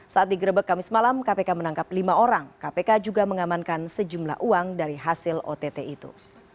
saat digrebek kamis malam kpk menangkap lima orang kpk juga mengamankan sejumlah uang dari hasil ott itu